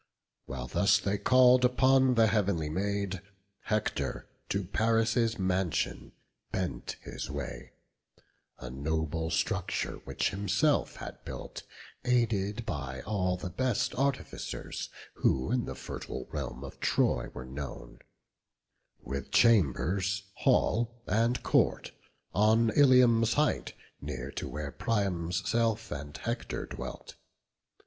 While thus they call'd upon the heav'nly Maid, Hector to Paris' mansion bent his way; A noble structure, which himself had built Aided by all the best artificers Who in the fertile realm of Troy were known; With chambers, hall, and court, on Ilium's height, Near to where Priam's self and Hector dwelt.